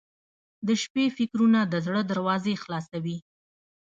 • د شپې فکرونه د زړه دروازې خلاصوي.